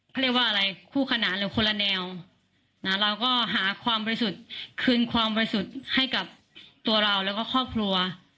ไปสุดให้กับตัวเราแล้วก็ครอบครัว